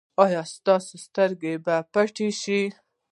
ایا ستاسو سترګې به پټې شي؟